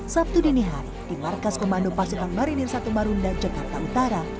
sabtu dini hari di markas komando pasukan marinir satu marunda jakarta utara